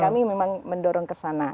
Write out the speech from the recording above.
kami memang mendorong ke sana